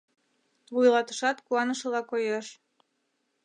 Вуйлатышат куанышыла коеш.